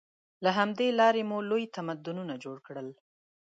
له همدې لارې مو لوی تمدنونه جوړ کړل.